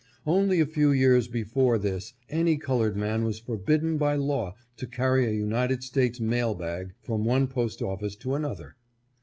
Only a few years before this any colored man was forbidden by law to carry a United States mail bag from one post office to an other.